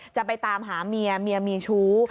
จะไปตามหาเมียเมียมีชู้